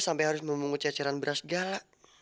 mas mas siapa ya